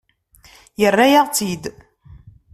Yerra-yaɣ-tt-id.